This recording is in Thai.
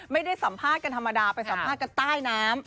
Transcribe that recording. ไม่ได้สัมภาษณ์กันธรรมดาไปสัมภาษณ์กันใต้น้ำ